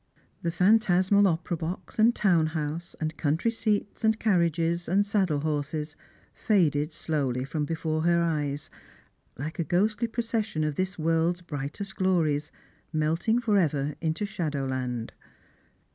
The phantasmal opera box, and town house, and country seats, and carriages, and saddle horses faded slowly from before her eyes, like a ghostly procession of this world's brightest glories, melting for ever into shadow land.